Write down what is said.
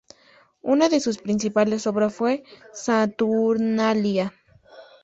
Una de sus principales obras fue "Saturnalia".